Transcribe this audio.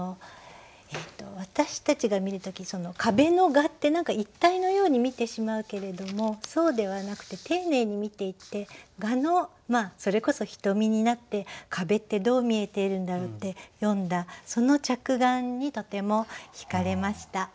私たちが見る時壁の蛾って何か一体のように見てしまうけれどもそうではなくて丁寧に見ていって蛾のそれこそひとみになって壁ってどう見えているんだろうって詠んだその着眼にとてもひかれました。